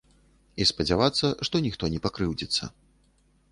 І спадзявацца, што ніхто не пакрыўдзіцца.